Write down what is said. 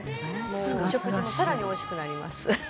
「お食事もさらに美味しくなります」